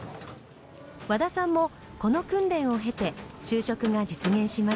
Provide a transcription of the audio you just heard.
和田さんもこの訓練を経て就職が実現しました。